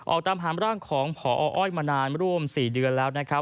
ออกตามหามร่างของพออ้อยมานานร่วม๔เดือนแล้วนะครับ